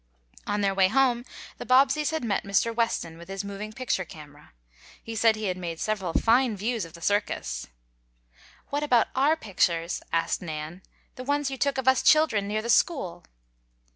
On their way home the Bobbseys had met Mr. Weston with his moving picture camera. He said he had made several fine views of the circus. "What about our pictures?" asked Nan. "The ones you took of us children near the school?"